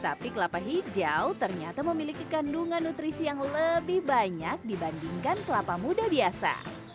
tapi kelapa hijau ternyata memiliki kandungan nutrisi yang lebih banyak dibandingkan kelapa muda biasa